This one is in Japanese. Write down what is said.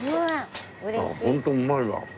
ああホントうまいわ。